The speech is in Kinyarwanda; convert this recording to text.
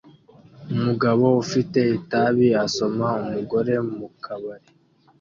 Umugabo ufite itabi asoma umugore mukabari